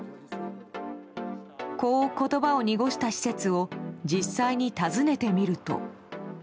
こう言葉を濁した施設を実際に尋ねてみると。